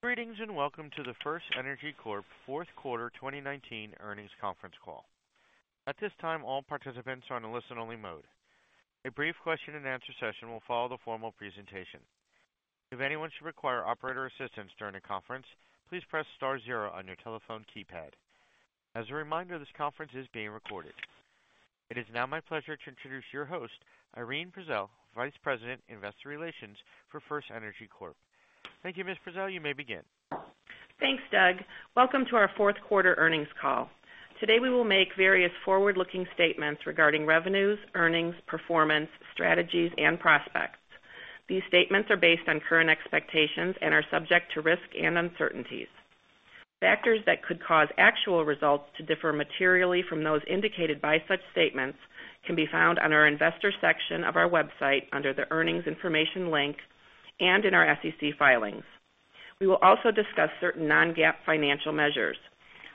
Greetings, and welcome to the FirstEnergy Corp fourth quarter 2019 earnings conference call. At this time, all participants are on a listen only mode. A brief question and answer session will follow the formal presentation. If anyone should require operator assistance during the conference, please press star zero on your telephone keypad. As a reminder, this conference is being recorded. It is now my pleasure to introduce your host, Irene Prezel, Vice President, Investor Relations for FirstEnergy Corp. Thank you, Ms. Prezel, you may begin. Thanks, Doug. Welcome to our fourth quarter earnings call. Today, we will make various forward-looking statements regarding revenues, earnings, performance, strategies, and prospects. These statements are based on current expectations and are subject to risk and uncertainties. Factors that could cause actual results to differ materially from those indicated by such statements can be found on our investor section of our website under the Earnings Information link, and in our SEC filings. We will also discuss certain non-GAAP financial measures.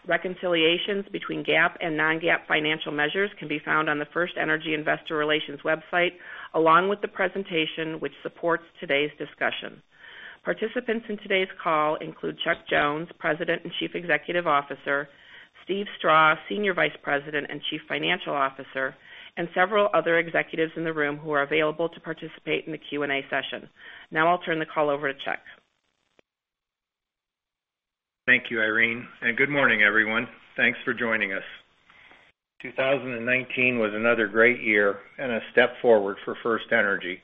Reconciliations between GAAP and non-GAAP financial measures can be found on the FirstEnergy investor relations website, along with the presentation which supports today's discussion. Participants in today's call include Chuck Jones, President and Chief Executive Officer, Steve Strah, Senior Vice President and Chief Financial Officer, and several other executives in the room who are available to participate in the Q&A session. Now I'll turn the call over to Chuck. Thank you, Irene, and good morning, everyone. Thanks for joining us. 2019 was another great year and a step forward for FirstEnergy,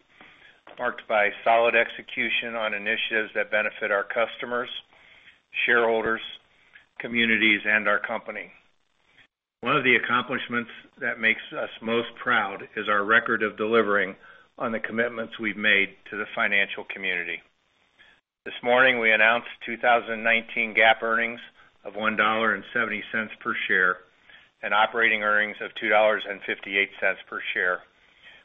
marked by solid execution on initiatives that benefit our customers, shareholders, communities, and our company. One of the accomplishments that makes us most proud is our record of delivering on the commitments we've made to the financial community. This morning, we announced 2019 GAAP earnings of $1.70 per share and operating earnings of $2.58 per share,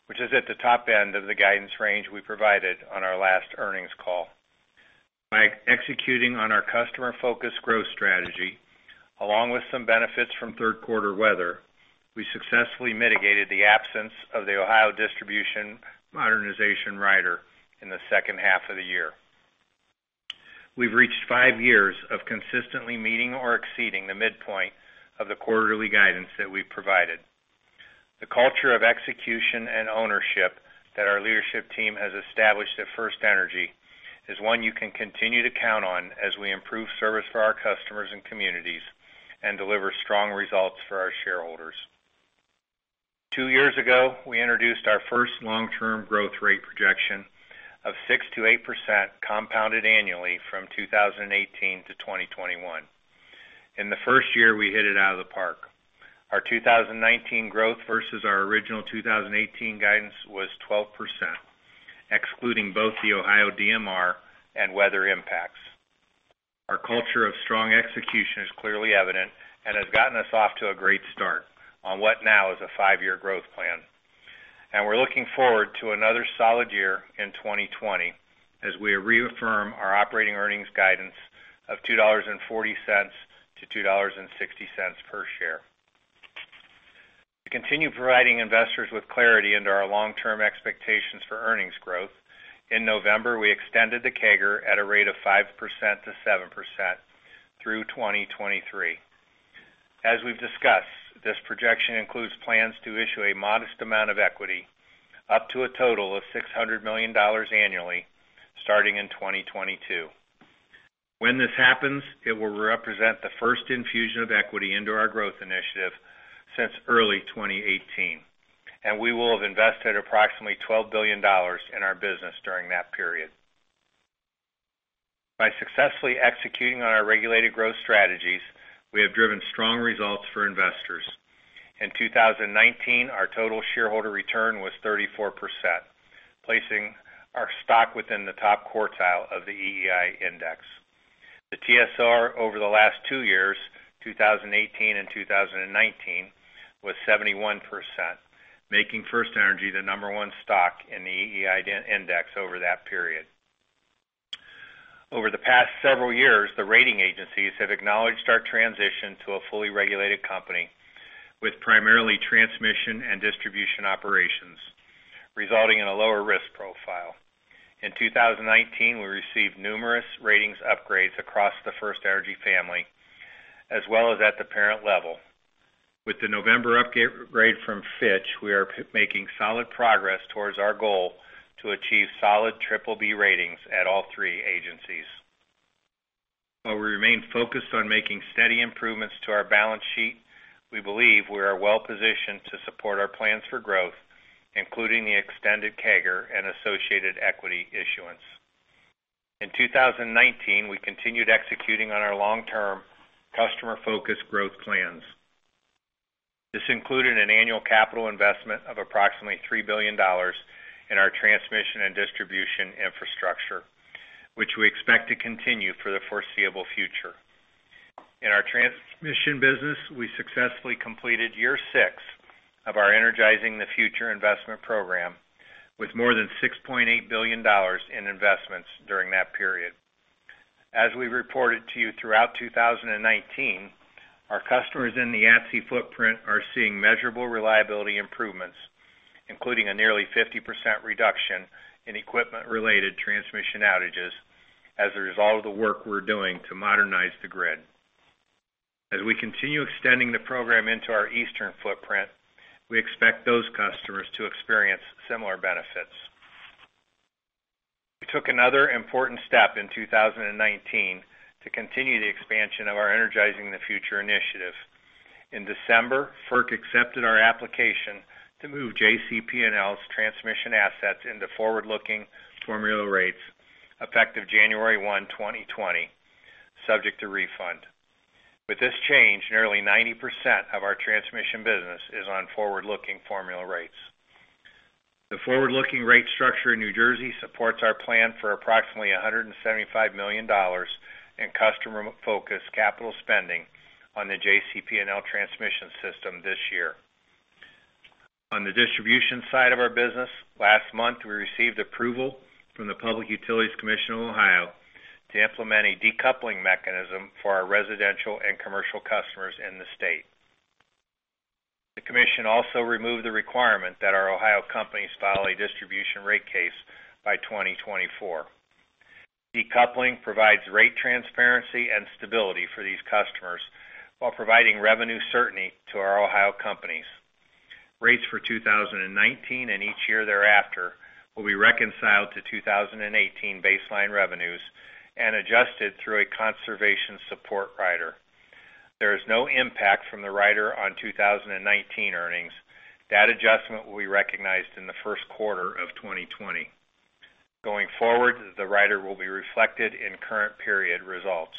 which is at the top end of the guidance range we provided on our last earnings call. By executing on our customer-focused growth strategy, along with some benefits from third quarter weather, we successfully mitigated the absence of the Ohio Distribution Modernization Rider in the second half of the year. We've reached five years of consistently meeting or exceeding the midpoint of the quarterly guidance that we've provided. The culture of execution and ownership that our leadership team has established at FirstEnergy is one you can continue to count on as we improve service for our customers and communities and deliver strong results for our shareholders. Two years ago, we introduced our first long-term growth rate projection of 6% to 8% compounded annually from 2018 to 2021. In the first year, we hit it out of the park. Our 2019 growth versus our original 2018 guidance was 12%, excluding both the Ohio DMR and weather impacts. Our culture of strong execution is clearly evident and has gotten us off to a great start on what now is a five-year growth plan. We're looking forward to a0nother solid year in 2020 as we reaffirm our operating earnings guidance of $2.40-$2.60 per share. To continue providing investors with clarity into our long-term expectations for earnings growth, in November, we extended the CAGR at a rate of 5%-7% through 2023. As we've discussed, this projection includes plans to issue a modest amount of equity up to a total of $600 million annually starting in 2022. When this happens, it will represent the first infusion of equity into our growth initiative since early 2018. We will have invested approximately $12 billion in our business during that period. By successfully executing on our regulated growth strategies, we have driven strong results for investors. In 2019, our total shareholder return was 34%, placing our stock within the top quartile of the EEI index. The TSR over the last two years, 2018 and 2019, was 71%, making FirstEnergy the number one stock in the EEI index over that period. Over the past several years, the rating agencies have acknowledged our transition to a fully regulated company with primarily transmission and distribution operations, resulting in a lower risk profile. In 2019, we received numerous ratings upgrades across the FirstEnergy family, as well as at the parent level. With the November upgrade from Fitch, we are making solid progress towards our goal to achieve solid BBB ratings at all three agencies. While we remain focused on making steady improvements to our balance sheet, we believe we are well-positioned to support our plans for growth, including the extended CAGR and associated equity issuance. In 2019, we continued executing on our long-term customer-focused growth plans. This included an annual capital investment of approximately $3 billion in our transmission and distribution infrastructure, which we expect to continue for the foreseeable future. In our transmission business, we successfully completed year six of our Energizing the Future investment program with more than $6.8 billion in investments during that period. As we reported to you throughout 2019, our customers in the ATSI footprint are seeing measurable reliability improvements, including a nearly 50% reduction in equipment-related transmission outages as a result of the work we're doing to modernize the grid. As we continue extending the program into our eastern footprint, we expect those customers to experience similar benefits. We took another important step in 2019 to continue the expansion of our Energizing the Future initiative. In December, FERC accepted our application to move JCP&L's transmission assets into forward-looking formula rates effective January 1, 2020, subject to refund. With this change, nearly 90% of our transmission business is on forward-looking formula rates. The forward-looking rate structure in New Jersey supports our plan for approximately $175 million in customer-focused capital spending on the JCP&L transmission system this year. On the distribution side of our business, last month, we received approval from the Public Utilities Commission of Ohio to implement a decoupling mechanism for our residential and commercial customers in the state. The commission also removed the requirement that our Ohio companies file a distribution rate case by 2024. Decoupling provides rate transparency and stability for these customers while providing revenue certainty to our Ohio companies. Rates for 2019 and each year thereafter will be reconciled to 2018 baseline revenues and adjusted through a conservation support rider. There is no impact from the rider on 2019 earnings. That adjustment will be recognized in the first quarter of 2020. Going forward, the rider will be reflected in current period results.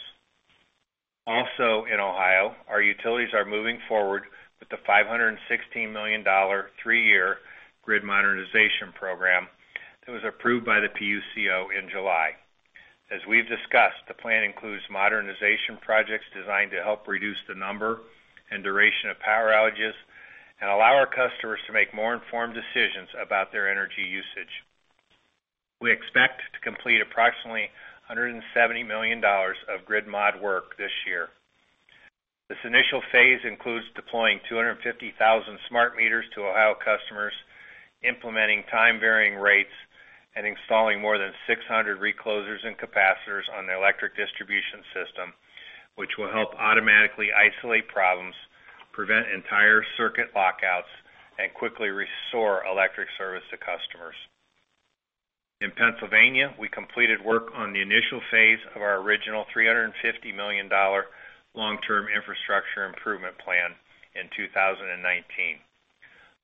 In Ohio, our utilities are moving forward with the $516 million three-year grid modernization program that was approved by the PUCO in July. As we've discussed, the plan includes modernization projects designed to help reduce the number and duration of power outages and allow our customers to make more informed decisions about their energy usage. We expect to complete approximately $170 million of grid mod work this year. This initial phase includes deploying 250,000 smart meters to Ohio customers, implementing time-varying rates, and installing more than 600 reclosers and capacitors on the electric distribution system, which will help automatically isolate problems, prevent entire circuit blackouts, and quickly restore electric service to customers. In Pennsylvania, we completed work on the initial phase of our original $350 million long-term infrastructure improvement plan in 2019.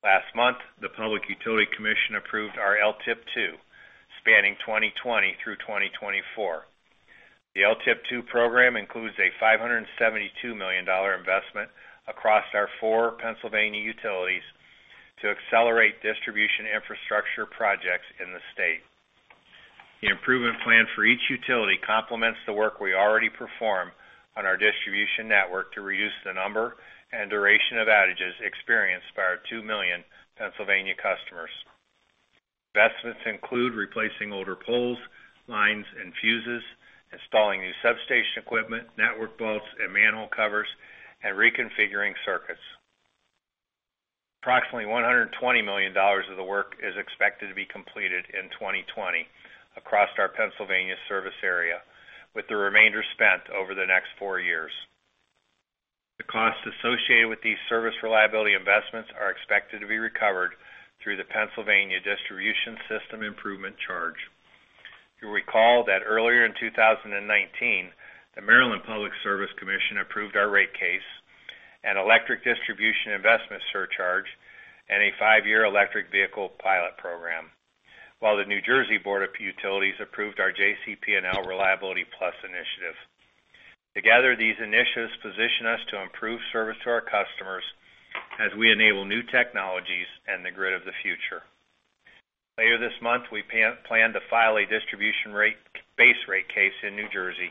Last month, the Public Utility Commission approved our LTIP 2, spanning 2020 through 2024. The LTIP 2 program includes a $572 million investment across our four Pennsylvania utilities to accelerate distribution infrastructure projects in the state. The improvement plan for each utility complements the work we already perform on our distribution network to reduce the number and duration of outages experienced by our 2 million Pennsylvania customers. Investments include replacing older poles, lines, and fuses, installing new substation equipment, network vaults, and manhole covers, and reconfiguring circuits. Approximately $120 million of the work is expected to be completed in 2020 across our Pennsylvania service area, with the remainder spent over the next four years. The cost associated with these service reliability investments are expected to be recovered through the Pennsylvania distribution system improvement charge. You'll recall that earlier in 2019, the Maryland Public Service Commission approved our rate case, an electric distribution investment surcharge, and a five-year electric vehicle pilot program, while the New Jersey Board of Public Utilities approved our JCP&L Reliability Plus initiative. Together, these initiatives position us to improve service to our customers as we enable new technologies and the grid of the future. Later this month, we plan to file a distribution base rate case in New Jersey.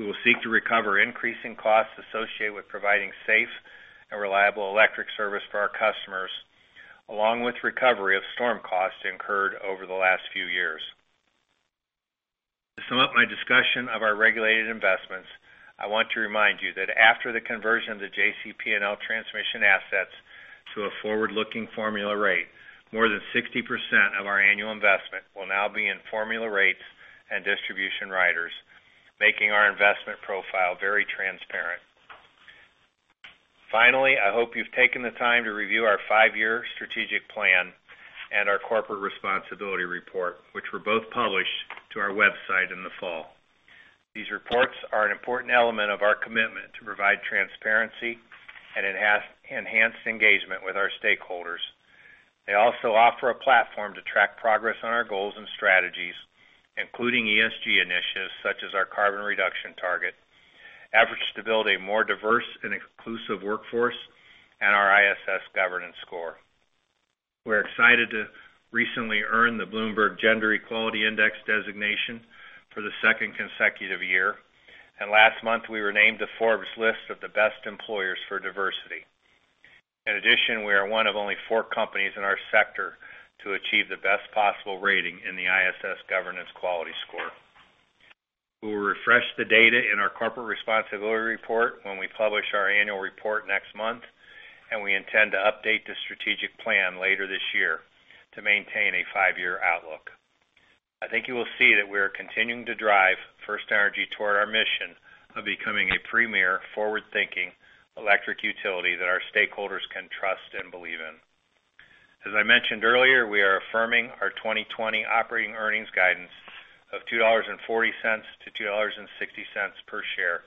We will seek to recover increasing costs associated with providing safe and reliable electric service for our customers, along with recovery of storm costs incurred over the last few years. To sum up my discussion of our regulated investments, I want to remind you that after the conversion of the JCP&L transmission assets to a forward-looking formula rate, more than 60% of our annual investment will now be in formula rates and distribution riders, making our investment profile very transparent. Finally, I hope you've taken the time to review our five-year strategic plan and our corporate responsibility report, which were both published to our website in the fall. These reports are an important element of our commitment to provide transparency and enhance engagement with our stakeholders. They also offer a platform to track progress on our goals and strategies, including ESG initiatives such as our carbon reduction target, efforts to build a more diverse and inclusive workforce, and our ISS Governance Score. We're excited to recently earn the Bloomberg Gender-Equality Index designation for the second consecutive year, and last month, we were named to Forbes' list of the best employers for diversity. In addition, we are one of only four companies in our sector to achieve the best possible rating in the ISS governance quality score. We'll refresh the data in our corporate responsibility report when we publish our annual report next month, and we intend to update the strategic plan later this year to maintain a five-year outlook. I think you will see that we are continuing to drive FirstEnergy toward our mission of becoming a premier, forward-thinking electric utility that our stakeholders can trust and believe in. As I mentioned earlier, we are affirming our 2020 operating earnings guidance of $2.40-$2.60 per share.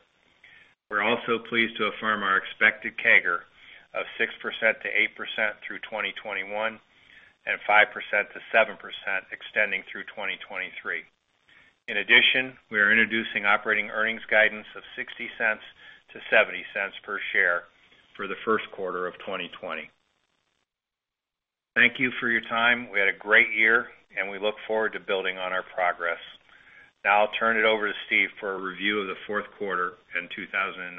We're also pleased to affirm our expected CAGR of 6%-8% through 2021, and 5%-7% extending through 2023. In addition, we are introducing operating earnings guidance of $0.60-$0.70 per share for the first quarter of 2020. Thank you for your time. We had a great year, and we look forward to building on our progress. Now I'll turn it over to Steve for a review of the fourth quarter in 2019.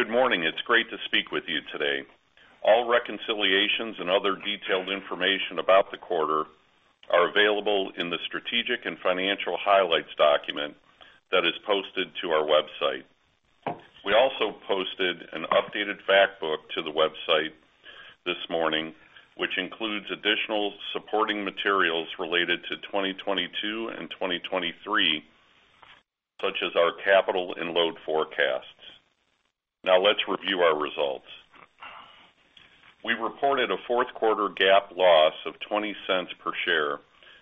Good morning. It's great to speak with you today. All reconciliations and other detailed information about the quarter are available in the strategic and financial highlights document that is posted to our website. We also posted an updated fact book to the website this morning, which includes additional supporting materials related to 2022 and 2023, such as our capital and load forecasts. Let's review our results. We reported a fourth quarter GAAP loss of $0.20 per share,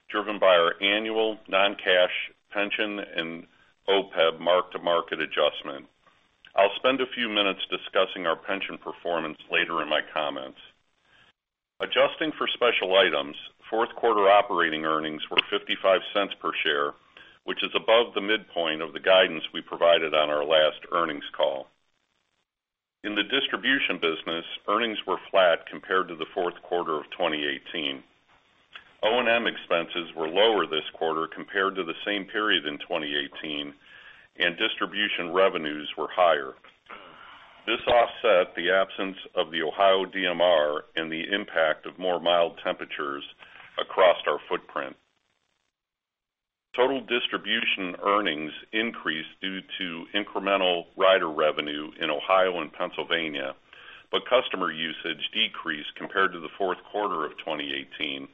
driven by our annual non-cash pension and OPEB mark-to-market adjustment. I'll spend a few minutes discussing our pension performance later in my comments. Adjusting for special items, fourth quarter operating earnings were $0.55 per share, which is above the midpoint of the guidance we provided on our last earnings call. In the distribution business, earnings were flat compared to the fourth quarter of 2018. O&M expenses were lower this quarter compared to the same period in 2018, and distribution revenues were higher. This offset the absence of the Ohio DMR and the impact of more mild temperatures across our footprint. Total distribution earnings increased due to incremental rider revenue in Ohio and Pennsylvania, but customer usage decreased compared to the fourth quarter of 2018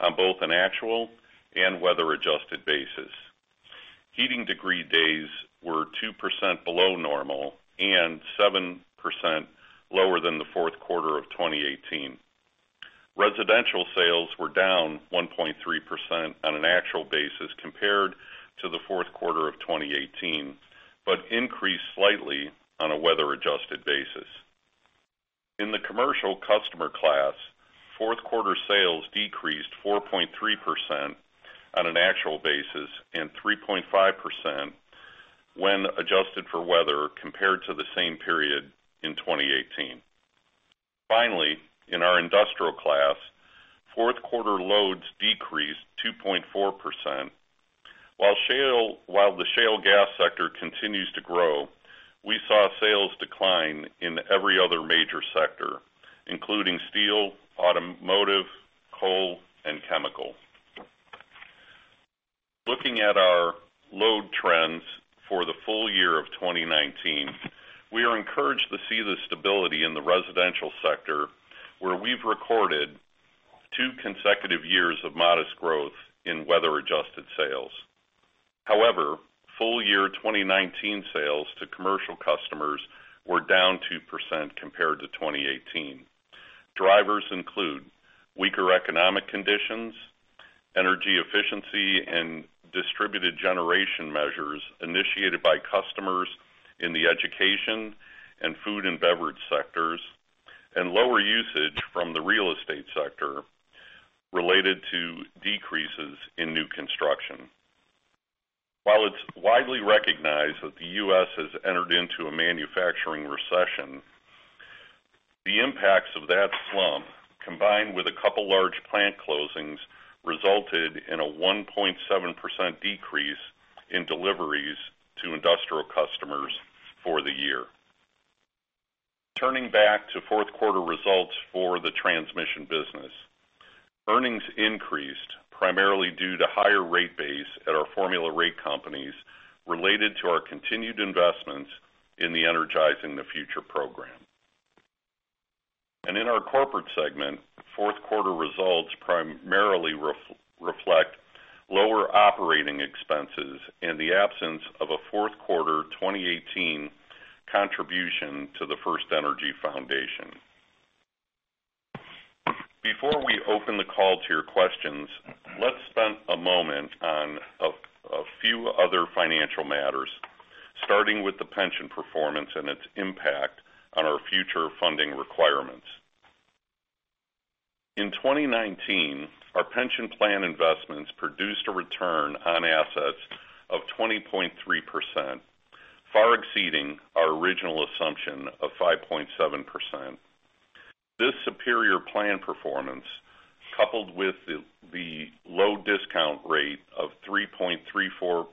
on both an actual and weather-adjusted basis. Heating degree days were 2% below normal, and 7% lower than the fourth quarter of 2018. Residential sales were down 1.3% on an actual basis compared to the fourth quarter of 2018, but increased slightly on a weather-adjusted basis. In the commercial customer class, fourth-quarter sales decreased 4.3% on an actual basis, and 3.5% when adjusted for weather compared to the same period in 2018. Finally, in our industrial class, fourth quarter loads decreased 2.4%. While the shale gas sector continues to grow, we saw sales decline in every other major sector, including steel, automotive, coal, and chemical. Looking at our load trends for the full year of 2019, we are encouraged to see the stability in the residential sector, where we've recorded two consecutive years of modest growth in weather-adjusted sales. However, full-year 2019 sales to commercial customers were down 2% compared to 2018. Drivers include weaker economic conditions, energy efficiency, and distributed generation measures initiated by customers in the education and food and beverage sectors, and lower usage from the real estate sector related to decreases in new construction. While it's widely recognized that the U.S. has entered into a manufacturing recession, the impacts of that slump, combined with a couple large plant closings, resulted in a 1.7% decrease in deliveries to industrial customers for the year. Turning back to fourth quarter results for the transmission business. Earnings increased primarily due to higher rate base at our formula rate companies related to our continued investments in the Energizing the Future program. In our corporate segment, fourth quarter results primarily reflect lower operating expenses in the absence of a fourth quarter 2018 contribution to the FirstEnergy Foundation. Before we open the call to your questions, let's spend a moment on a few other financial matters, starting with the pension performance and its impact on our future funding requirements. In 2019, our pension plan investments produced a return on assets of 20.3%, far exceeding our original assumption of 5.7%. This superior plan performance, coupled with the low discount rate of 3.34%,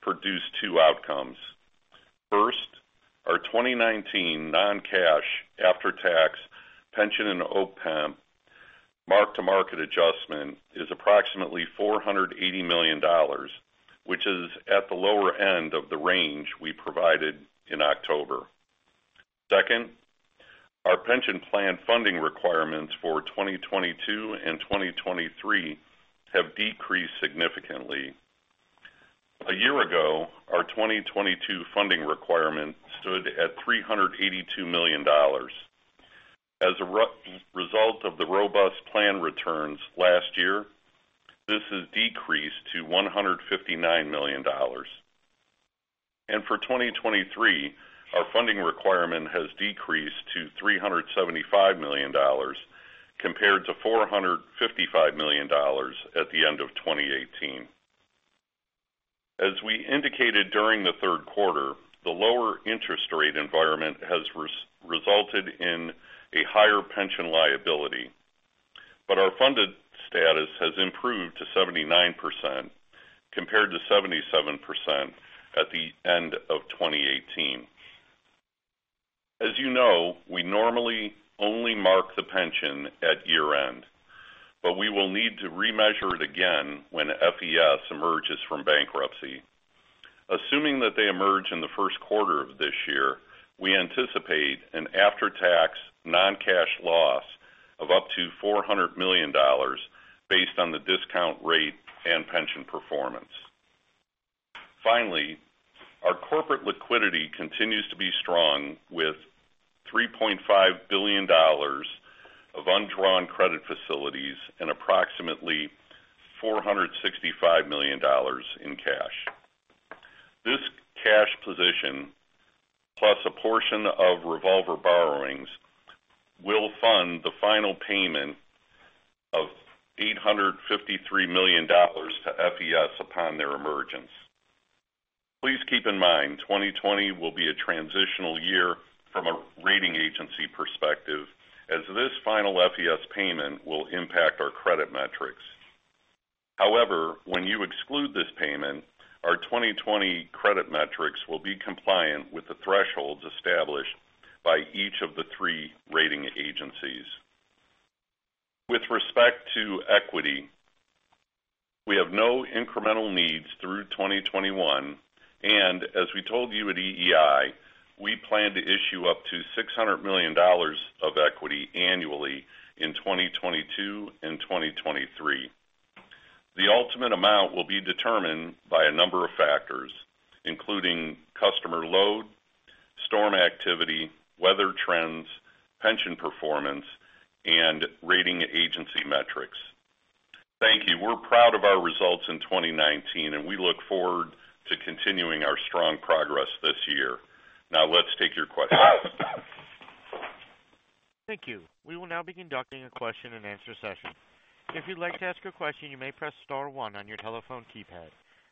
produced two outcomes. First, our 2019 non-cash after-tax pension and OPEB mark-to-market adjustment is approximately $480 million, which is at the lower end of the range we provided in October. Second, our pension plan funding requirements for 2022 and 2023 have decreased significantly. A year ago, our 2022 funding requirement stood at $382 million. As a result of the robust plan returns last year, this has decreased to $159 million. For 2023, our funding requirement has decreased to $375 million compared to $455 million at the end of 2018. As you know, we normally only mark the pension at year-end, but we will need to remeasure it again when FES emerges from bankruptcy. Assuming that they emerge in the first quarter of this year, we anticipate an after-tax non-cash loss of up to $400 million based on the discount rate and pension performance. Our corporate liquidity continues to be strong with $3.5 billion of undrawn credit facilities and approximately $465 million in cash. This cash position, plus a portion of revolver borrowings, will fund the final payment of $853 million to FES upon their emergence. Please keep in mind, 2020 will be a transitional year from a rating agency perspective, as this final FES payment will impact our credit metrics. When you exclude this payment, our 2020 credit metrics will be compliant with the thresholds established by each of the three rating agencies. With respect to equity, we have no incremental needs through 2021, and as we told you at EEI, we plan to issue up to $600 million of equity annually in 2022 and 2023. The ultimate amount will be determined by a number of factors, including customer load, storm activity, weather trends, pension performance, and rating agency metrics. Thank you. We're proud of our results in 2019, and we look forward to continuing our strong progress this year. Now let's take your questions. Thank you. We will now be conducting a question and answer session. If you'd like to ask a question, you may press star one on your telephone keypad.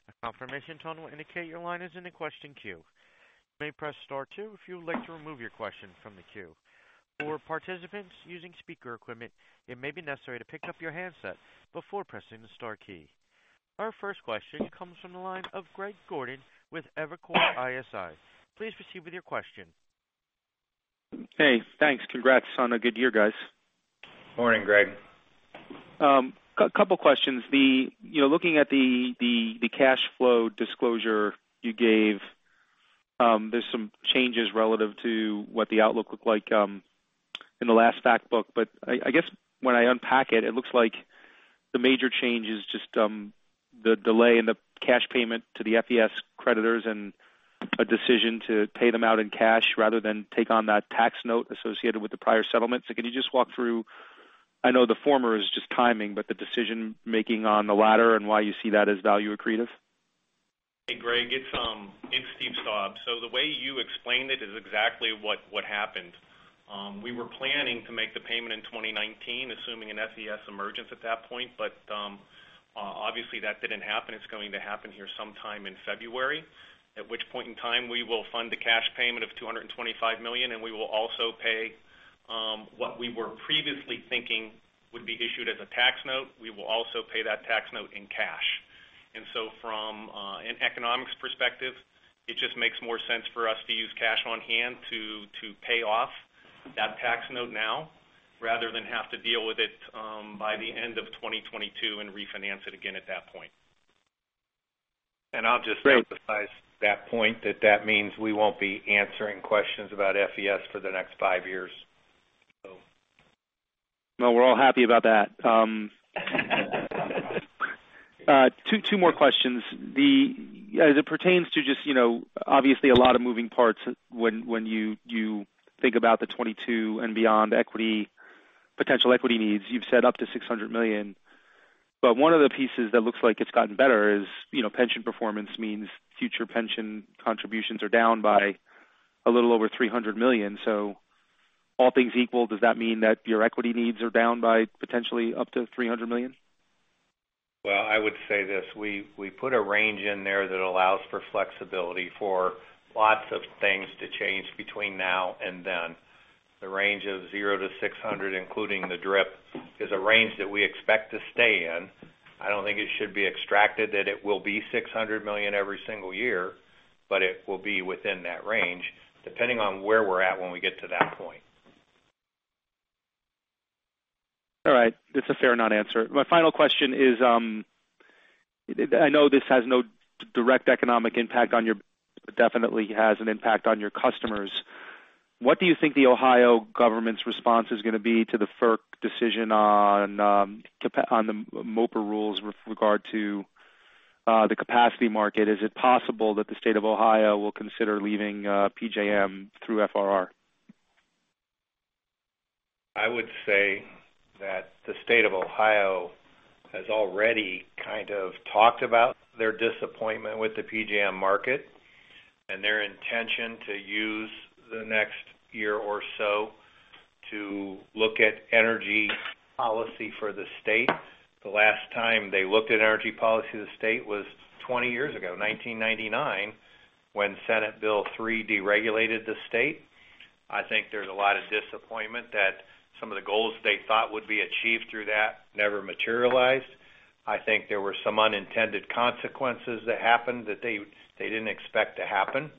A confirmation tone will indicate your line is in the question queue. You may press star two if you would like to remove your question from the queue. For participants using speaker equipment, it may be necessary to pick up your handset before pressing the star key. Our first question comes from the line of Greg Gordon with Evercore ISI. Please proceed with your question. Hey, thanks. Congrats on a good year, guys. Morning, Greg. A couple of questions. Looking at the cash flow disclosure you gave, there are some changes relative to what the outlook looked like in the last fact book. I guess when I unpack it looks like the major change is just the delay in the cash payment to the FES creditors and a decision to pay them out in cash rather than take on that tax note associated with the prior settlement. Can you just walk through, I know the former is just timing, but the decision-making on the latter and why you see that as value accretive? Hey, Greg, it's Steve Strah. The way you explained it is exactly what happened. We were planning to make the payment in 2019, assuming an FES emergence at that point. Obviously that didn't happen. It's going to happen here sometime in February, at which point in time we will fund the cash payment of $225 million, we will also pay what we were previously thinking would be issued as a tax note. We will also pay that tax note in cash. From an economics perspective, it just makes more sense for us to use cash on hand to pay off that tax note now, rather than have to deal with it by the end of 2022 and refinance it again at that point. I'll just emphasize that point that that means we won't be answering questions about FES for the next five years. No, we're all happy about that. Two more questions. As it pertains to just obviously a lot of moving parts when you think about the 2022 and beyond potential equity needs. You've said up to $600 million, but one of the pieces that looks like it's gotten better is pension performance means future pension contributions are down by a little over $300 million. All things equal, does that mean that your equity needs are down by potentially up to $300 million? Well, I would say this. We put a range in there that allows for flexibility for lots of things to change between now and then. The range of $0-$600 million, including the DRIP, is a range that we expect to stay in. I don't think it should be extracted that it will be $600 million every single year, but it will be within that range depending on where we're at when we get to that point. All right. It's a fair non-answer. My final question is, I know this has no direct economic impact. It definitely has an impact on your customers. What do you think the Ohio government's response is going to be to the FERC decision on the MOPR rules with regard to the capacity market? Is it possible that the state of Ohio will consider leaving PJM through FRR? I would say that the state of Ohio has already kind of talked about their disappointment with the PJM market and their intention to use the next one year or so to look at energy policy for the state. The last time they looked at energy policy of the state was 20 years ago, 1999, when Senate Bill 3 deregulated the state. I think there's a lot of disappointment that some of the goals they thought would be achieved through that never materialized. I think there were some unintended consequences that happened that they didn't expect to happen.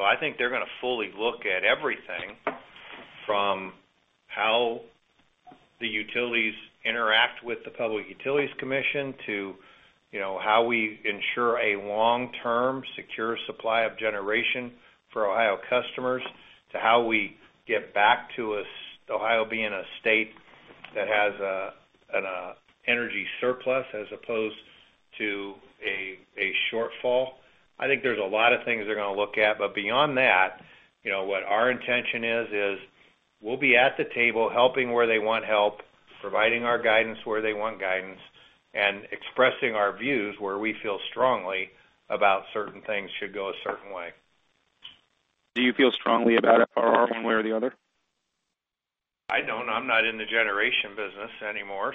I think they're going to fully look at everything from how the utilities interact with the Public Utilities Commission to how we ensure a long-term secure supply of generation for Ohio customers, to how we get back to Ohio being a state that has an energy surplus as opposed to a shortfall. I think there's a lot of things they're going to look at, but beyond that, what our intention is we'll be at the table helping where they want help, providing our guidance where they want guidance, and expressing our views where we feel strongly about certain things should go a certain way. Do you feel strongly about it one way or the other? I don't. I'm not in the generation business anymore.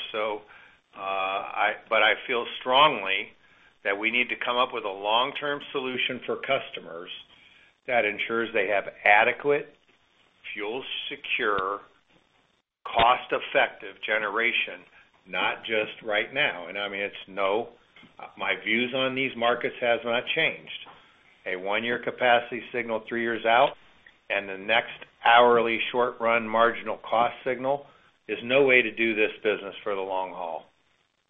I feel strongly that we need to come up with a long-term solution for customers that ensures they have adequate fuel secure, cost-effective generation, not just right now. I mean, it's no. My views on these markets has not changed. A one-year capacity signal three years out, the next hourly short-run marginal cost signal is no way to do this business for the long haul,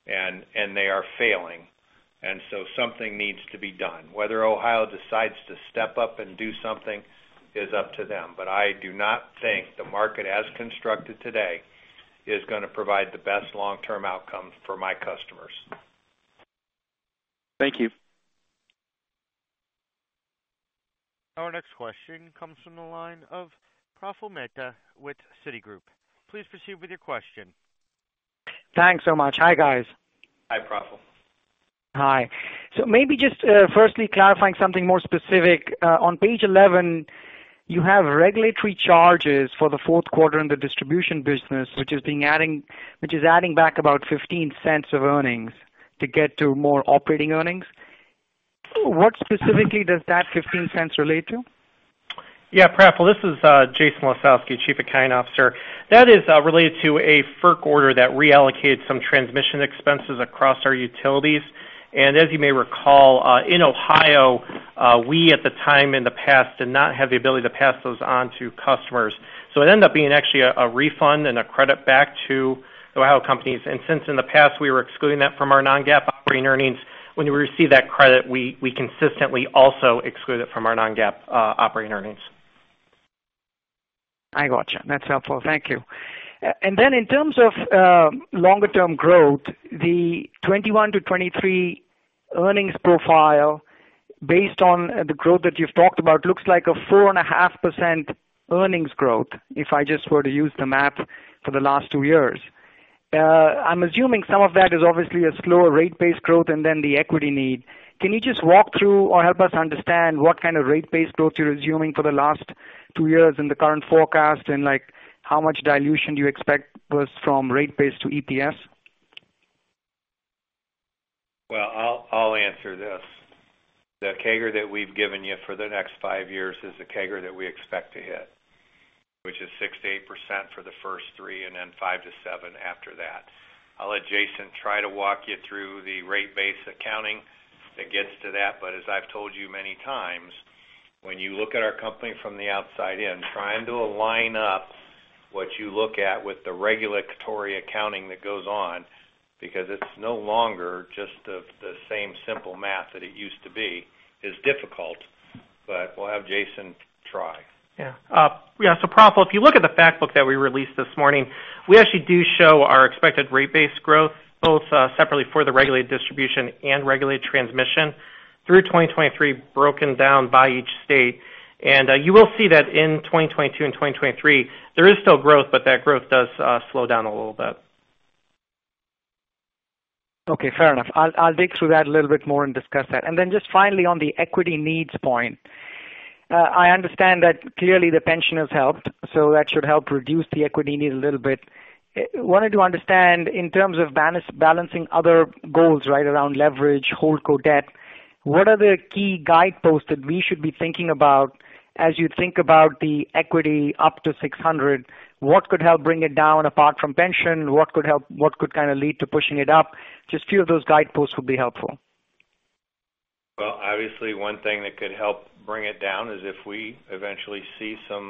they are failing, something needs to be done. Whether Ohio decides to step up and do something is up to them. I do not think the market as constructed today is going to provide the best long-term outcome for my customers. Thank you. Our next question comes from the line of Praful Mehta with Citigroup. Please proceed with your question. Thanks so much. Hi, guys. Hi, Praful. Hi. Maybe just firstly clarifying something more specific. On page 11, you have regulatory charges for the fourth quarter in the distribution business, which is adding back about $0.15 of earnings to get to more operating earnings. What specifically does that $0.15 relate to? Praful, this is Jason Lisowski, Chief Accounting Officer. That is related to a FERC order that reallocated some transmission expenses across our utilities. As you may recall, in Ohio, we at the time in the past did not have the ability to pass those on to customers. It ended up being actually a refund and a credit back to Ohio companies. Since in the past, we were excluding that from our non-GAAP operating earnings, when we receive that credit, we consistently also exclude it from our non-GAAP operating earnings. I got you. That's helpful. Thank you. In terms of longer-term growth, the 2021 to 2023 earnings profile, based on the growth that you've talked about, looks like a 4.5% earnings growth, if I just were to use the math for the last two years. I'm assuming some of that is obviously a slower rate-based growth and then the equity need. Can you just walk through or help us understand what kind of rate-based growth you're assuming for the last two years in the current forecast, and how much dilution do you expect versus from rate base to EPS? Well, I'll answer this. The CAGR that we've given you for the next five years is the CAGR that we expect to hit, which is 6%-8% for the first three and then 5%-7% after that. I'll let Jason try to walk you through the rate base accounting that gets to that. As I've told you many times, when you look at our company from the outside in, trying to align up what you look at with the regulatory accounting that goes on, because it's no longer just the same simple math that it used to be, is difficult. We'll have Jason try. Yeah. Praful, if you look at the fact book that we released this morning, we actually do show our expected rate base growth both separately for the regulated distribution and regulated transmission through 2023 broken down by each state. You will see that in 2022 and 2023, there is still growth, but that growth does slow down a little bit. Okay, fair enough. I'll dig through that a little bit more and discuss that. Then just finally on the equity needs point. I understand that clearly the pension has helped, so that should help reduce the equity need a little bit. Wanted to understand in terms of balancing other goals right around leverage, holdco debt. What are the key guideposts that we should be thinking about as you think about the equity up to $600 million? What could help bring it down apart from pension? What could kind of lead to pushing it up? Just few of those guideposts would be helpful. Obviously, one thing that could help bring it down is if we eventually see some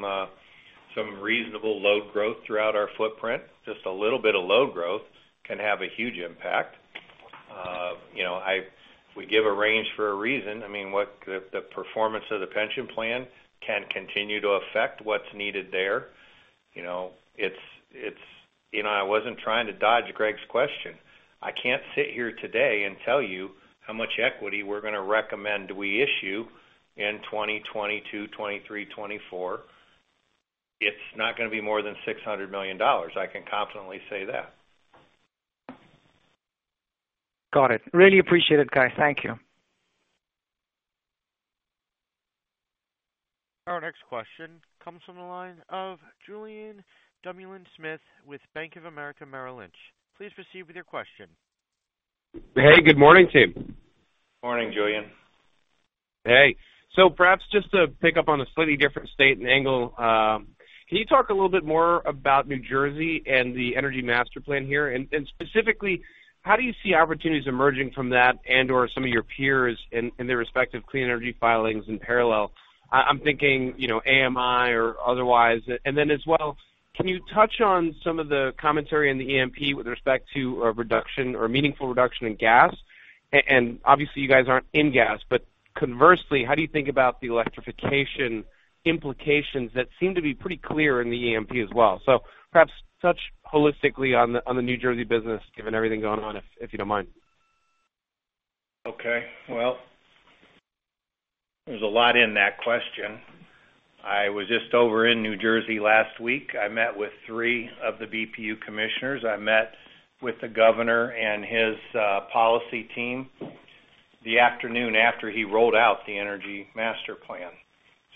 reasonable load growth throughout our footprint. Just a little bit of load growth can have a huge impact. We give a range for a reason. I mean, the performance of the pension plan can continue to affect what's needed there. I wasn't trying to dodge Greg's question. I can't sit here today and tell you how much equity we're going to recommend we issue in 2020, 2022, 2023, 2024. It's not going to be more than $600 million. I can confidently say that. Got it. Really appreciate it, guys. Thank you. Our next question comes from the line of Julien Dumoulin-Smith with Bank of America Merrill Lynch. Please proceed with your question. Hey, good morning, team. Morning, Julien. Hey. Perhaps just to pick up on a slightly different state and angle, can you talk a little bit more about New Jersey and the energy master plan here? Specifically, how do you see opportunities emerging from that and/or some of your peers in their respective clean energy filings in parallel? I'm thinking, AMI or otherwise. As well, can you touch on some of the commentary in the EMP with respect to a reduction or meaningful reduction in gas? Obviously, you guys aren't in gas, but conversely, how do you think about the electrification implications that seem to be pretty clear in the EMP as well? Perhaps touch holistically on the New Jersey business, given everything going on, if you don't mind. Okay. Well, there's a lot in that question. I was just over in New Jersey last week. I met with three of the BPU commissioners. I met with the governor and his policy team the afternoon after he rolled out the energy master plan.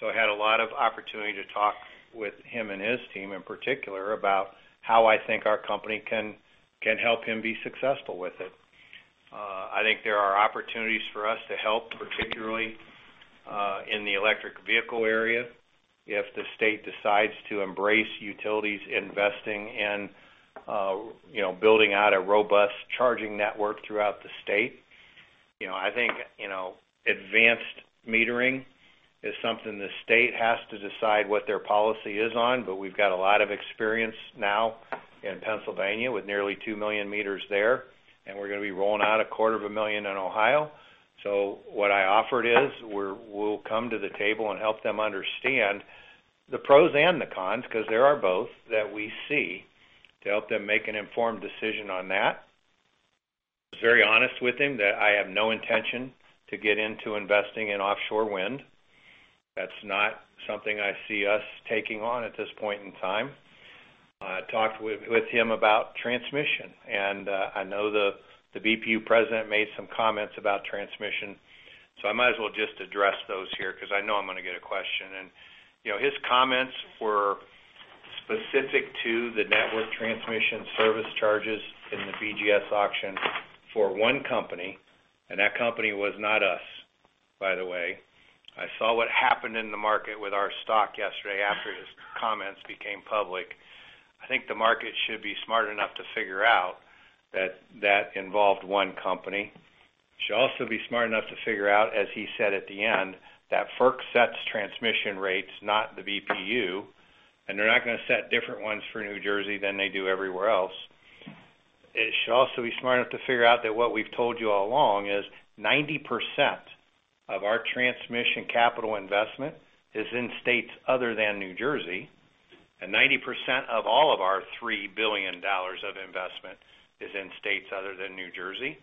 I had a lot of opportunity to talk with him and his team in particular about how I think our company can help him be successful with it. I think there are opportunities for us to help, particularly in the electric vehicle area, if the state decides to embrace utilities investing in building out a robust charging network throughout the state. I think advanced metering is something the state has to decide what their policy is on, but we've got a lot of experience now in Pennsylvania with nearly 2 million meters there, and we're going to be rolling out 250,000 in Ohio. What I offered is, we'll come to the table and help them understand the pros and the cons, because there are both, that we see to help them make an informed decision on that. I was very honest with him that I have no intention to get into investing in offshore wind. That's not something I see us taking on at this point in time. I talked with him about transmission, and I know the BPU President made some comments about transmission, so I might as well just address those here because I know I'm going to get a question. His comments were specific to the network transmission service charges in the BGS auction for one company, and that company was not us, by the way. I saw what happened in the market with our stock yesterday after his comments became public. I think the market should be smart enough to figure out that that involved one company. Should also be smart enough to figure out, as he said at the end, that FERC sets transmission rates, not the BPU, and they're not going to set different ones for New Jersey than they do everywhere else. It should also be smart enough to figure out that what we've told you all along is 90% of our transmission capital investment is in states other than New Jersey, and 90% of all of our $3 billion of investment is in states other than New Jersey.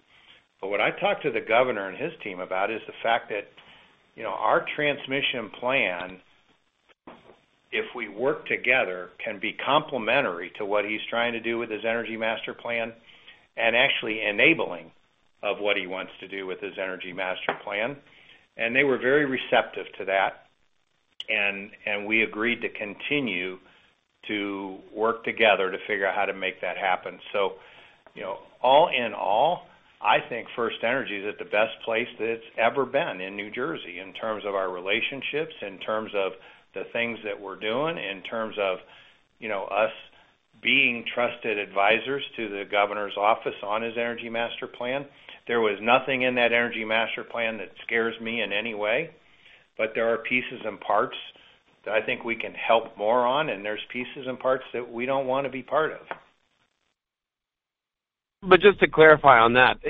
What I talked to the governor and his team about is the fact that our transmission plan, if we work together, can be complementary to what he's trying to do with his Energy Master Plan and actually enabling of what he wants to do with his Energy Master Plan. They were very receptive to that, and we agreed to continue to work together to figure out how to make that happen. All in all, I think FirstEnergy is at the best place that it's ever been in New Jersey in terms of our relationships, in terms of the things that we're doing, in terms of us being trusted advisors to the governor's office on his Energy Master Plan. There was nothing in that energy master plan that scares me in any way, but there are pieces and parts that I think we can help more on, and there's pieces and parts that we don't want to be part of. Just to clarify on that,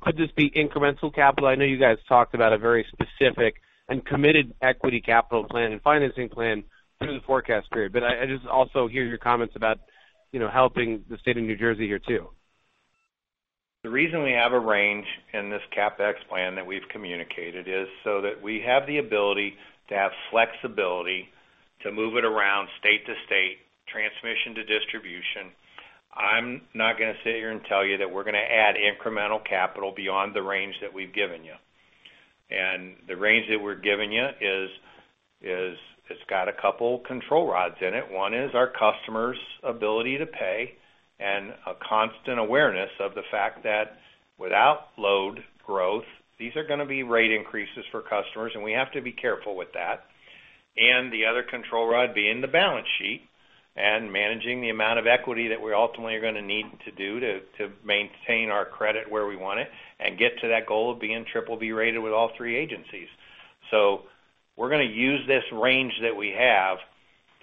could this be incremental capital? I know you guys talked about a very specific and committed equity capital plan and financing plan through the forecast period, but I just also hear your comments about helping the state of New Jersey here too. The reason we have a range in this CapEx plan that we've communicated is so that we have the ability to have flexibility to move it around state to state, transmission to distribution. I'm not going to sit here and tell you that we're going to add incremental capital beyond the range that we've given you. The range that we're giving you is it's got a couple control rods in it. One is our customer's ability to pay, and a constant awareness of the fact that without load growth, these are going to be rate increases for customers, and we have to be careful with that. The other control rod being the balance sheet and managing the amount of equity that we ultimately are going to need to do to maintain our credit where we want it and get to that goal of being BBB-rated with all three agencies. We're going to use this range that we have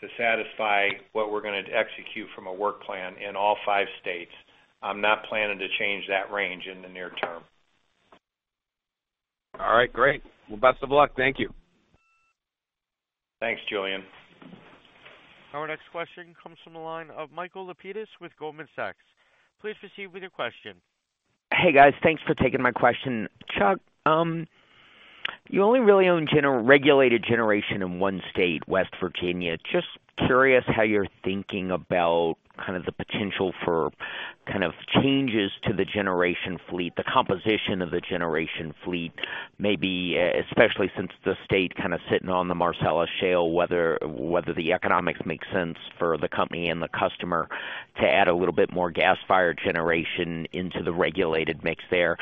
to satisfy what we're going to execute from a work plan in all five states. I'm not planning to change that range in the near term. All right, great. Well, best of luck. Thank you. Thanks, Julien. Our next question comes from the line of Michael Lapides with Goldman Sachs. Please proceed with your question. Hey, guys. Thanks for taking my question. Chuck, you only really own regulated generation in one state, West Virginia. Just curious how you're thinking about the potential for changes to the generation fleet, the composition of the generation fleet, maybe especially since the state sitting on the Marcellus Shale, whether the economics make sense for the company and the customer to add a little bit more gas-fired generation into the regulated mix there.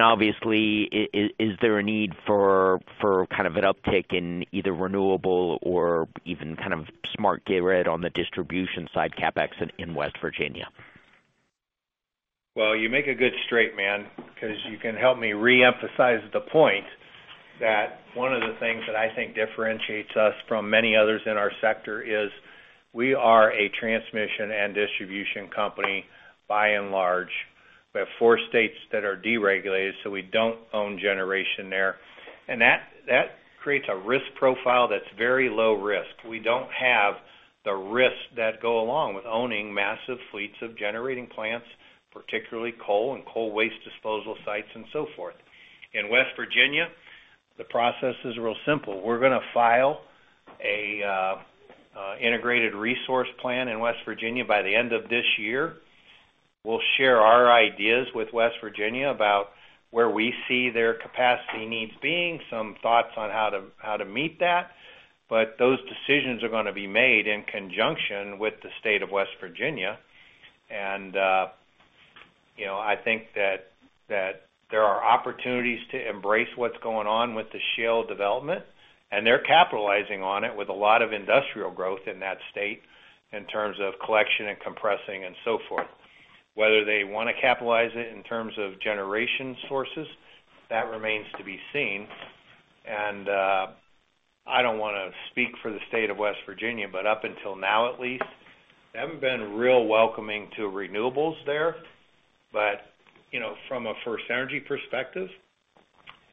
Obviously, is there a need for an uptick in either renewable or even smart grid on the distribution side CapEx in West Virginia? Well, you make a good straight man because you can help me reemphasize the point that one of the things that I think differentiates us from many others in our sector is we are a transmission and distribution company by and large. We have four states that are deregulated, so we don't own generation there. That creates a risk profile that's very low risk. We don't have the risks that go along with owning massive fleets of generating plants, particularly coal and coal waste disposal sites and so forth. In West Virginia, the process is real simple. We're going to file an integrated resource plan in West Virginia by the end of this year. We'll share our ideas with West Virginia about where we see their capacity needs being, some thoughts on how to meet that. Those decisions are going to be made in conjunction with the state of West Virginia. I think that there are opportunities to embrace what's going on with the shale development, and they're capitalizing on it with a lot of industrial growth in that state in terms of collection and compressing and so forth. Whether they want to capitalize it in terms of generation sources, that remains to be seen. I don't want to speak for the state of West Virginia, but up until now, at least, they haven't been real welcoming to renewables there. From a FirstEnergy perspective,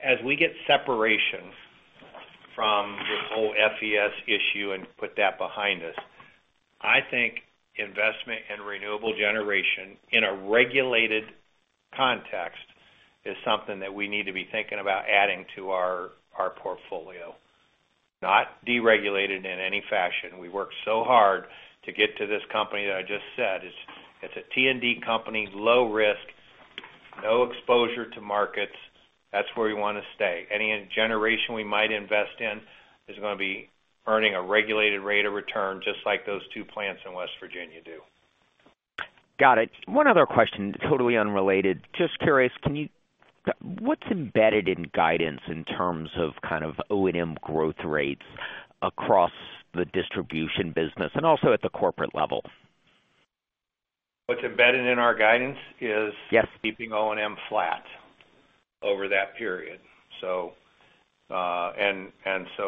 as we get separation from this whole FES issue and put that behind us, I think investment in renewable generation in a regulated context is something that we need to be thinking about adding to our portfolio. Not deregulated in any fashion. We worked so hard to get to this company that I just said. It's a T&D company, low risk, no exposure to markets. That's where we want to stay. Any generation we might invest in is going to be earning a regulated rate of return, just like those two plants in West Virginia do. Got it. One other question, totally unrelated. Just curious, what's embedded in guidance in terms of O&M growth rates across the distribution business and also at the corporate level? What's embedded in our guidance is. Yes Keeping O&M flat over that period.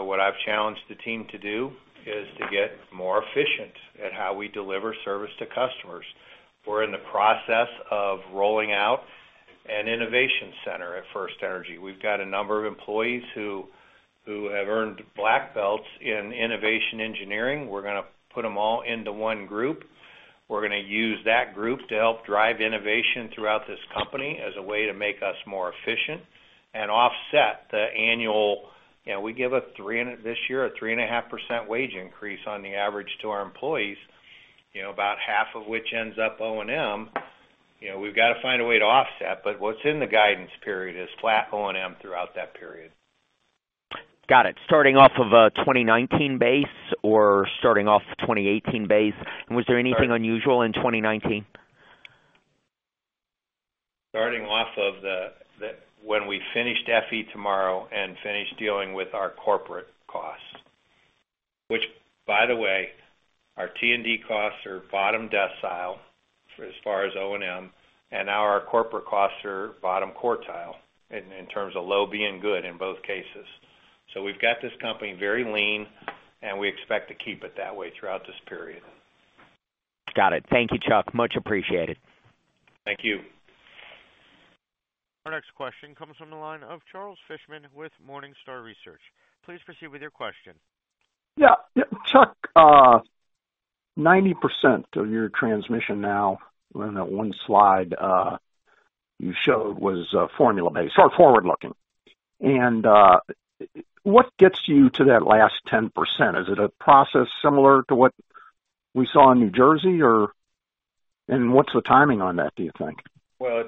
What I've challenged the team to do is to get more efficient at how we deliver service to customers. We're in the process of rolling out an innovation center at FirstEnergy. We've got a number of employees who have earned black belts in innovation engineering. We're going to put them all into one group. We're going to use that group to help drive innovation throughout this company as a way to make us more efficient and offset, we give, this year, a 3.5% wage increase on the average to our employees, about half of which ends up O&M. We've got to find a way to offset. What's in the guidance period is flat O&M throughout that period. Got it. Starting off of a 2019 base or starting off the 2018 base? Was there anything unusual in 2019? Starting off of when we finished FE Tomorrow and finished dealing with our corporate costs. Which, by the way, our T&D costs are bottom decile as far as O&M, and now our corporate costs are bottom quartile in terms of low being good in both cases. We've got this company very lean, and we expect to keep it that way throughout this period. Got it. Thank you, Chuck. Much appreciated. Thank you. Our next question comes from the line of Charles Fishman with Morningstar Research. Please proceed with your question. Yeah. Chuck, 90% of your transmission now in that one slide you showed was formula-based or forward-looking. What gets you to that last 10%? Is it a process similar to what we saw in New Jersey? What's the timing on that, do you think? Well,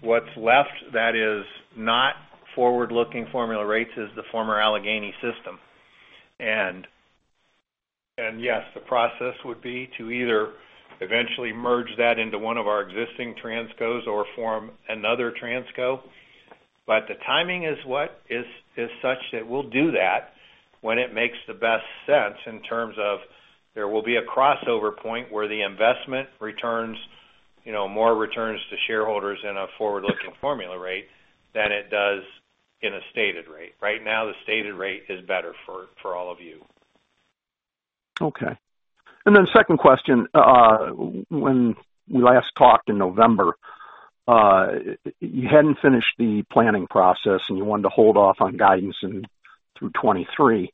what's left that is not forward-looking formula rates is the former Allegheny system. Yes, the process would be to either eventually merge that into one of our existing transcos or form another transco. The timing is such that we'll do that when it makes the best sense in terms of there will be a crossover point where the investment returns more returns to shareholders in a forward-looking formula rate than it does in a stated rate. Right now, the stated rate is better for all of you. Okay. Second question. When we last talked in November, you hadn't finished the planning process, and you wanted to hold off on guidance through 2023.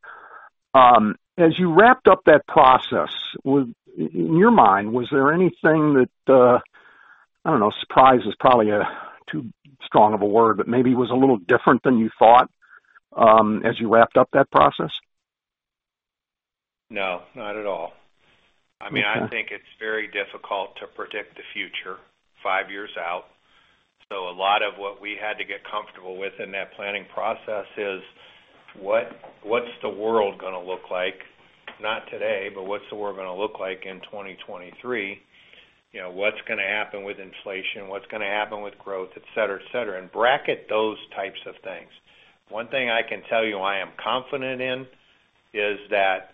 As you wrapped up that process, in your mind, was there anything that, I don't know, surprise is probably too strong of a word, but maybe was a little different than you thought as you wrapped up that process? No, not at all. Okay. I think it's very difficult to predict the future five years out. A lot of what we had to get comfortable with in that planning process is what's the world going to look like, not today, but what's the world going to look like in 2023? What's going to happen with inflation? What's going to happen with growth, et cetera? Bracket those types of things. One thing I can tell you I am confident in is that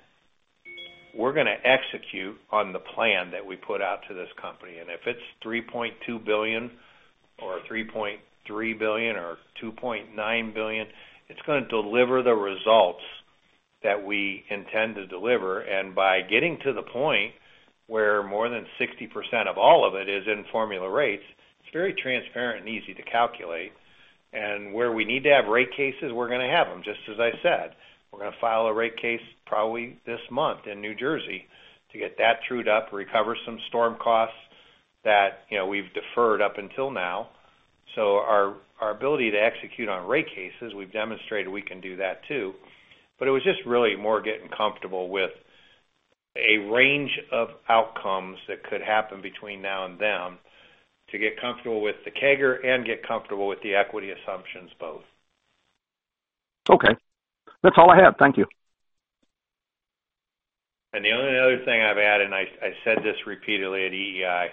we're going to execute on the plan that we put out to this company. If it's $3.2 billion or $3.3 billion or $2.9 billion, it's going to deliver the results that we intend to deliver. By getting to the point where more than 60% of all of it is in formula rates, it's very transparent and easy to calculate. Where we need to have rate cases, we're going to have them, just as I said. We're going to file a rate case probably this month in New Jersey to get that trued up, recover some storm costs that we've deferred up until now. Our ability to execute on rate cases, we've demonstrated we can do that, too. It was just really more getting comfortable with a range of outcomes that could happen between now and then to get comfortable with the CAGR and get comfortable with the equity assumptions both. Okay. That's all I have. Thank you. The only other thing I'd add, I said this repeatedly at EEI,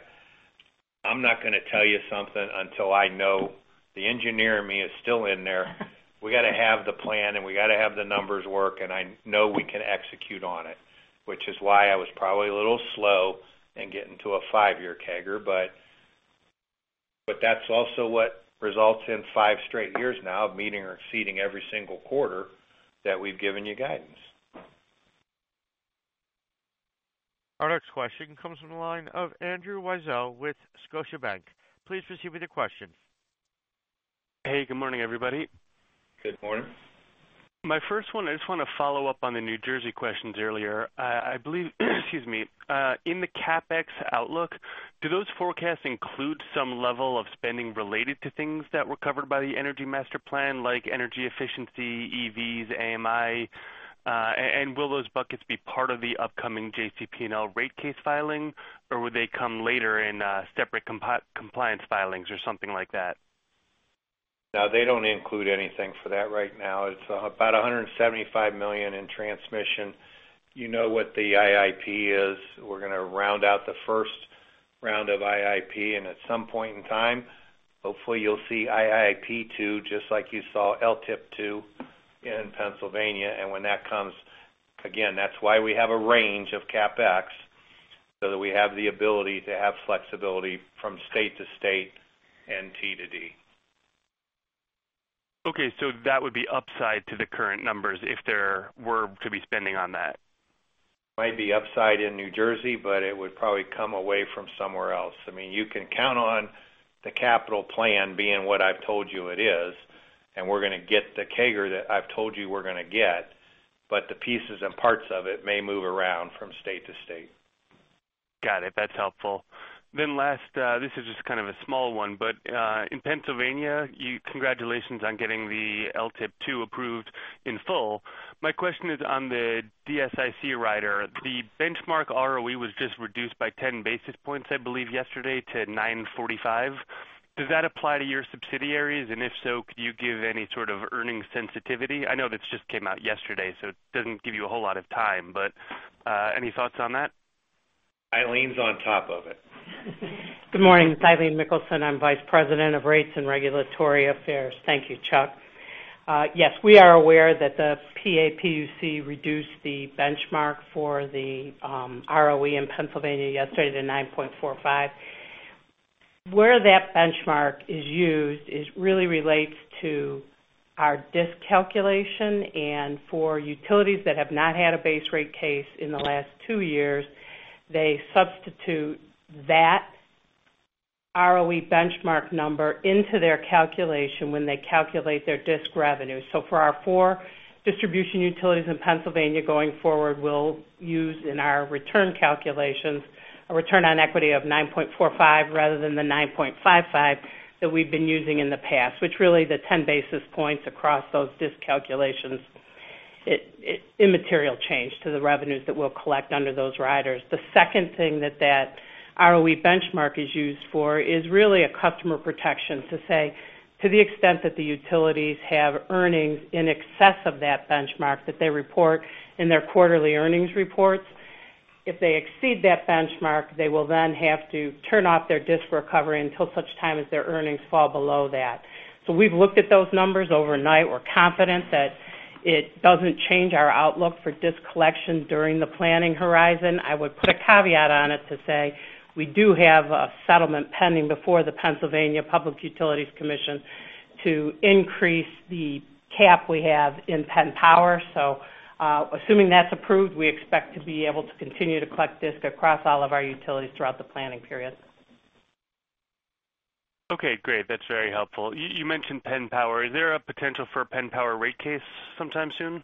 I'm not going to tell you something until I know the engineer in me is still in there. We got to have the plan, and we got to have the numbers work, and I know we can execute on it, which is why I was probably a little slow in getting to a five-year CAGR. That's also what results in five straight years now of meeting or exceeding every single quarter that we've given you guidance. Our next question comes from the line of Andrew Weisel with Scotiabank. Please proceed with your question. Hey, good morning, everybody. Good morning. My first one, I just want to follow up on the New Jersey questions earlier. I believe in the CapEx outlook, do those forecasts include some level of spending related to things that were covered by the Energy Master Plan, like energy efficiency, EVs, AMI? Will those buckets be part of the upcoming JCP&L rate case filing, or would they come later in separate compliance filings or something like that? No, they don't include anything for that right now. It's about $175 million in transmission. You know what the IIP is. We're going to round out the first round of IIP. At some point in time, hopefully you'll see IIP-2, just like you saw LTIP 2 in Pennsylvania. When that comes, again, that's why we have a range of CapEx, so that we have the ability to have flexibility from state to state and T&D. Okay. That would be upside to the current numbers if there were to be spending on that. Might be upside in New Jersey, but it would probably come away from somewhere else. You can count on the capital plan being what I've told you it is, and we're going to get the CAGR that I've told you we're going to get, but the pieces and parts of it may move around from state to state. Got it. That's helpful. Last, this is just kind of a small one, but in Pennsylvania, congratulations on getting the LTIP 2 approved in full. My question is on the DSIC rider. The benchmark ROE was just reduced by 10 basis points, I believe yesterday, to 9.45%. Does that apply to your subsidiaries? If so, could you give any sort of earning sensitivity? I know this just came out yesterday, so it doesn't give you a whole lot of time, but any thoughts on that? Eileen's on top of it. Good morning. It's Eileen Nicholson. I'm Vice President of Rates and Regulatory Affairs. Thank you, Chuck. Yes, we are aware that the PAPUC reduced the benchmark for the ROE in Pennsylvania yesterday to 9.45%. Where that benchmark is used, it really relates to our DSIC calculation. For utilities that have not had a base rate case in the last two years, they substitute that ROE benchmark number into their calculation when they calculate their DSIC revenue. For our four distribution utilities in Pennsylvania going forward, we'll use in our return calculations a return on equity of 9.45% rather than the 9.55% that we've been using in the past, which really the 10 basis points across those DSIC calculations. It's immaterial change to the revenues that we'll collect under those riders. The second thing that ROE benchmark is used for is really a customer protection to say to the extent that the utilities have earnings in excess of that benchmark that they report in their quarterly earnings reports. If they exceed that benchmark, they will have to turn off their DSIC recovery until such time as their earnings fall below that. We've looked at those numbers overnight. We're confident that it doesn't change our outlook for DSIC collection during the planning horizon. I would put a caveat on it to say we do have a settlement pending before the Pennsylvania Public Utility Commission to increase the cap we have in Penn Power. Assuming that's approved, we expect to be able to continue to collect DSIC across all of our utilities throughout the planning period. Okay, great. That's very helpful. You mentioned Penn Power. Is there a potential for a Penn Power rate case sometime soon?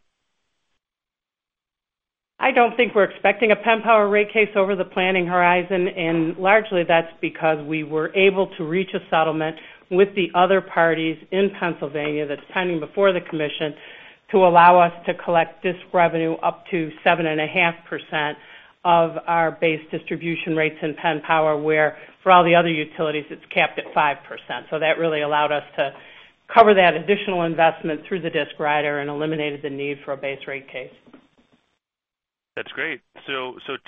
I don't think we're expecting a Penn Power rate case over the planning horizon. Largely that's because we were able to reach a settlement with the other parties in Pennsylvania that's pending before the commission to allow us to collect this revenue up to 7.5% of our base distribution rates in Penn Power, where for all the other utilities it's capped at 5%. That really allowed us to cover that additional investment through the DSIC rider and eliminated the need for a base rate case. That's great.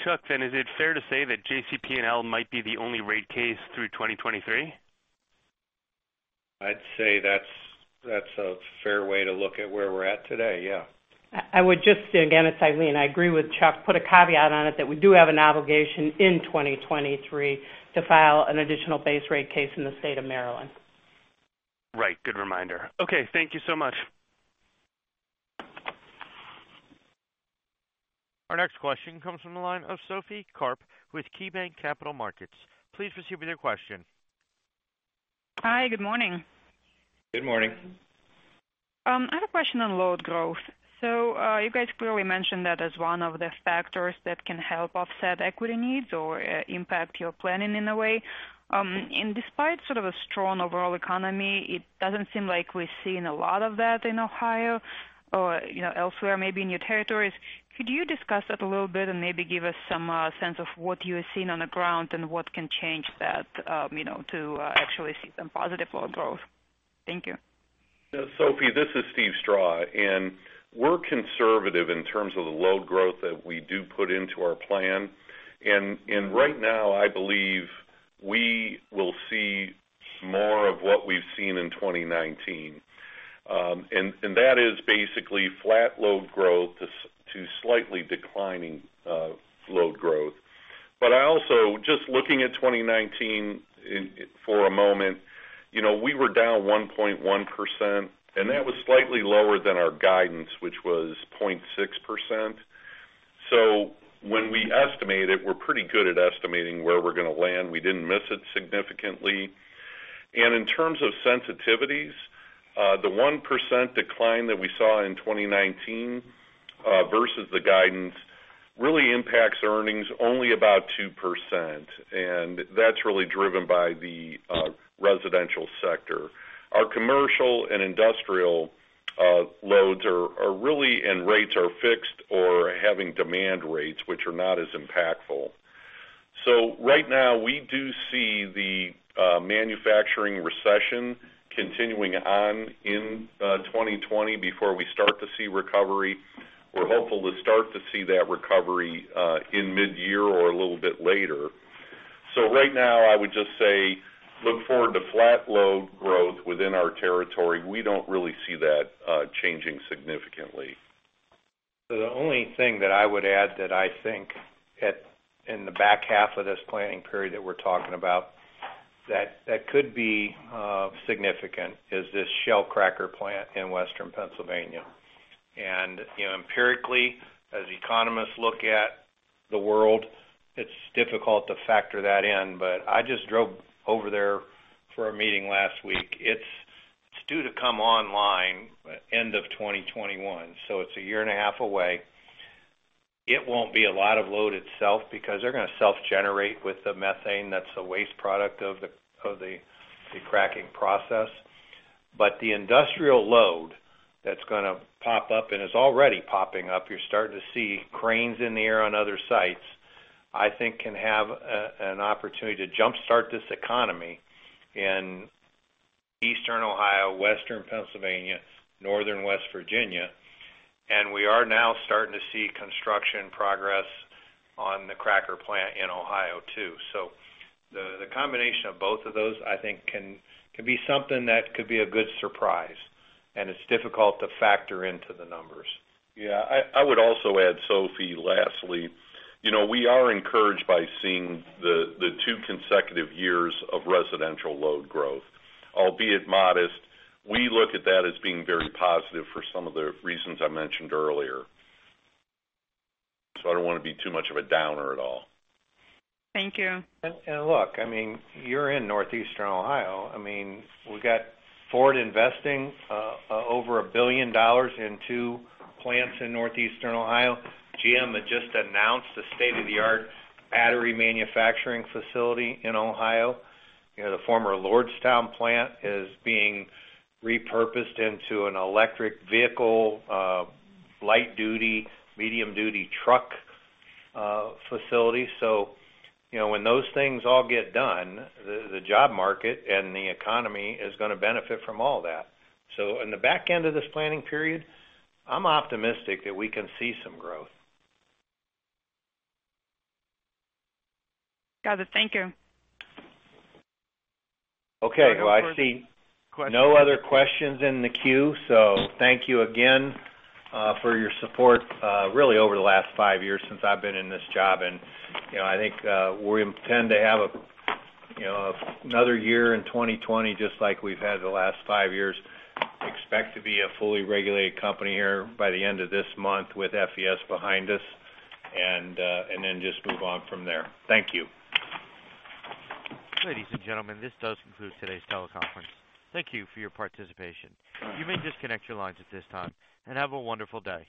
Chuck, is it fair to say that JCP&L might be the only rate case through 2023? I'd say that's a fair way to look at where we're at today, yeah. I would just, again, it's Eileen, I agree with Chuck, put a caveat on it that we do have an obligation in 2023 to file an additional base rate case in the state of Maryland. Right. Good reminder. Okay, thank you so much. Our next question comes from the line of Sophie Karp with KeyBanc Capital Markets. Please proceed with your question. Hi. Good morning. Good morning. I have a question on load growth. You guys clearly mentioned that as one of the factors that can help offset equity needs or impact your planning in a way. Despite sort of a strong overall economy, it doesn't seem like we're seeing a lot of that in Ohio or elsewhere, maybe in your territories. Could you discuss that a little bit and maybe give us some sense of what you are seeing on the ground and what can change that to actually see some positive load growth? Thank you. Sophie, this is Steve Strah. We're conservative in terms of the load growth that we do put into our plan. Right now, I believe we will see more of what we've seen in 2019. That is basically flat load growth to slightly declining load growth. Just looking at 2019 for a moment, we were down 1.1%, and that was slightly lower than our guidance, which was 0.6%. When we estimate it, we're pretty good at estimating where we're going to land. We didn't miss it significantly. In terms of sensitivities, the 1% decline that we saw in 2019 versus the guidance really impacts earnings only about 2%. That's really driven by the residential sector. Our commercial and industrial loads are really, and rates are fixed or having demand rates which are not as impactful. Right now we do see the manufacturing recession continuing on in 2020 before we start to see recovery. We're hopeful to start to see that recovery in mid-year or a little bit later. Right now I would just say look forward to flat load growth within our territory. We don't really see that changing significantly. The only thing that I would add that I think in the back half of this planning period that we're talking about that could be significant is this Shell cracker plant in Western Pennsylvania. Empirically, as economists look at the world, it's difficult to factor that in, but I just drove over there for a meeting last week. It's due to come online end of 2021, so it's a year and a half away. It won't be a lot of load itself because they're going to self-generate with the methane that's a waste product of the cracking process. The industrial load that's going to pop up and is already popping up, you're starting to see cranes in the air on other sites, I think can have an opportunity to jumpstart this economy in Eastern Ohio, Western Pennsylvania, Northern West Virginia. We are now starting to see construction progress on the cracker plant in Ohio too. The combination of both of those I think can be something that could be a good surprise, and it's difficult to factor into the numbers. Yeah, I would also add, Sophie, lastly, we are encouraged by seeing the two consecutive years of residential load growth, albeit modest. We look at that as being very positive for some of the reasons I mentioned earlier. I don't want to be too much of a downer at all. Thank you. Look, you're in Northeastern Ohio. We've got Ford investing over $1 billion in two plants in Northeastern Ohio. GM had just announced a state-of-the-art battery manufacturing facility in Ohio. The former Lordstown plant is being repurposed into an electric vehicle, light-duty, medium-duty truck facility. When those things all get done, the job market and the economy is going to benefit from all that. In the back end of this planning period, I'm optimistic that we can see some growth. Got it. Thank you. Okay. Well, I see no other questions in the queue, so thank you again for your support really over the last five years since I've been in this job. I think we intend to have another year in 2020 just like we've had the last five years. We expect to be a fully regulated company here by the end of this month with FES behind us, and then just move on from there. Thank you. Ladies and gentlemen, this does conclude today's teleconference. Thank you for your participation. You may disconnect your lines at this time, and have a wonderful day.